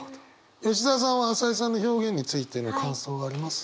吉澤さんは朝井さんの表現についての感想はあります？